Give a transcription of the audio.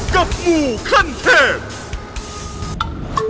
กับหมูขั้นเทพ